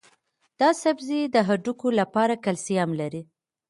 دا سبزی د هډوکو لپاره کلسیم لري.